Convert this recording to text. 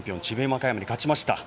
和歌山に勝ちました。